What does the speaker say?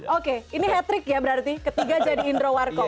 oke ini hat trick ya berarti ketiga jadi indro warko